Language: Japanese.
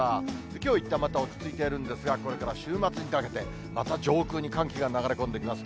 きょう、いったんまた落ち着いているんですが、これから週末にかけて、また上空に寒気が流れ込んできます。